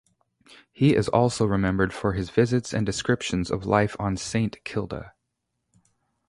He is also remembered for his visits and descriptions of life on St Kilda.